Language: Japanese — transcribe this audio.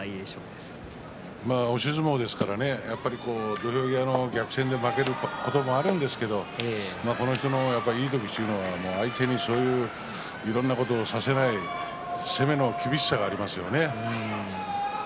まあ押し相撲ですからね土俵際の逆転で負けることはあるんですけれどもこの人のいい時というのは相手にそういういろんなことをさせない攻めの厳しさがありますよね。